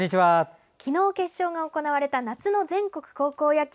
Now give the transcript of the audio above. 昨日、決勝が行われた夏の全国高校野球。